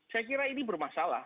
saya kira ini bermasalah